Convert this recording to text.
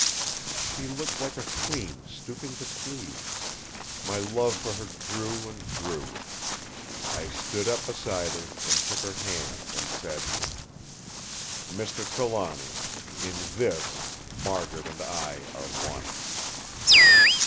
She looked like a Queen stooping to plead. My love for her grew and grew. I stood up beside her; and took her hand and said: "Mr. Trelawny! in this Margaret and I are one!"